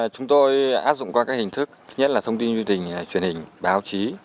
chúng tôi áp dụng qua các hình thức nhất là thông tin truyền hình truyền hình báo chí